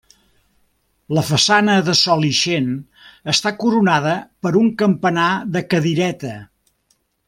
La façana de sol ixent està coronada per un campanar de cadireta.